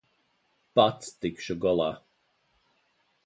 Pats tikšu galā.